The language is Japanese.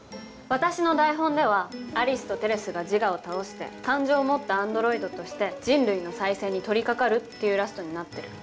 私の台本ではアリスとテレスがジガを倒して感情を持ったアンドロイドとして人類の再生に取りかかるっていうラストになってる。